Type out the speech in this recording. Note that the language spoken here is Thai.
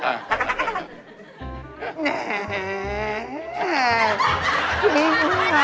เอาออกมาเอาออกมาเอาออกมา